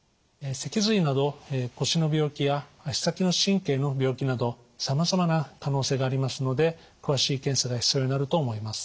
脊髄など腰の病気や足先の神経の病気などさまざまな可能性がありますので詳しい検査が必要になると思います。